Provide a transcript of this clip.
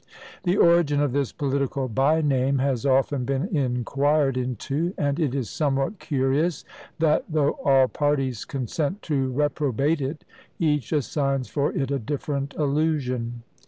The origin of this political by name has often been inquired into; and it is somewhat curious, that, though all parties consent to reprobate it, each assigns for it a different allusion.